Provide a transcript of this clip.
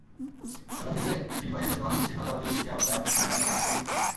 অন্যদিকে ফিলিপাইনের বিদ্যমান বিচ্ছিন্নতাবাদী গোষ্ঠী আবু সায়াফও ক্রমেই আইএসের সঙ্গে যুক্ত হচ্ছে।